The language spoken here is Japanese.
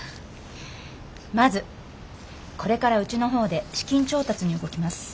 まずこれからうちの方で資金調達に動きます。